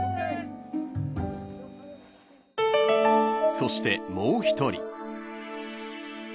［そしてもう１人］